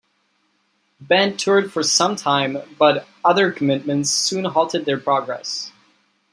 The band toured for some time but other commitments soon halted their progress.